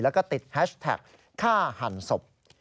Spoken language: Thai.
แล้วก็ติดแฮชแท็กฆ่าหันศพ